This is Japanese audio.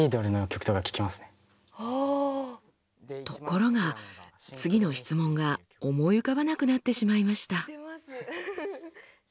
ところが次の質問が思い浮かばなくなってしまいました。